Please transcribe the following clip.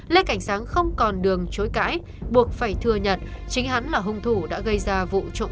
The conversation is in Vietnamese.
lê cảnh sáng không còn đường chối cãi buộc phải thừa nhận chính hắn là hung thủ đã gây ra vụ trộm